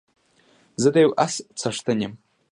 زه د يو اس څښتن يم